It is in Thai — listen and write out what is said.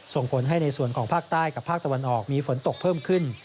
ส่งผลให้ในส่วนของภาคใต้กับภาคตะวันออกมีฝนตกเพิ่มขึ้น